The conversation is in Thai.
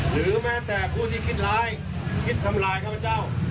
หรือแม้แต่ผู้ที่คิดร้ายคิดทำลายข้าพเจ้า